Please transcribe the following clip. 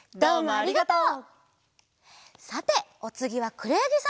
ありがとう。